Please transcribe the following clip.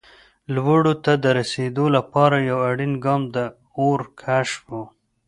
لوړو ته د رسېدو لپاره یو اړین ګام د اور کشف و.